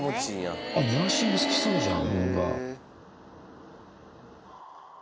あっブラッシング好きそうじゃんむぅばあ。